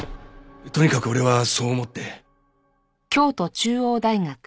とにかく俺はそう思って。